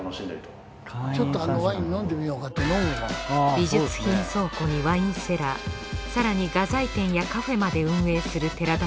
美術品倉庫にワインセラー更に画材店やカフェまで運営する寺田